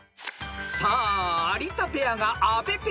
［さあ有田ペアが阿部ペアを猛追］